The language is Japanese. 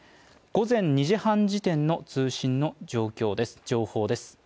午前２時半時点の通信の情報です。